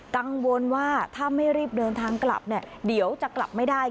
กังวลว่าถ้าไม่รีบเดินทางกลับเนี่ยเดี๋ยวจะกลับไม่ได้